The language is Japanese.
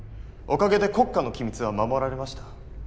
おかげで国家の機密は守られました。